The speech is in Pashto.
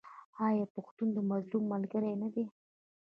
آیا پښتون د مظلوم ملګری نه دی؟